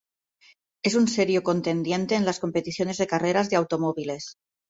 Es un serio contendiente en las competiciones de carreras de automóviles.